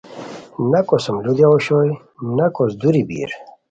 نہ کوسوم لو دیا ؤ اوشوئے نہ کوس دُوری بیر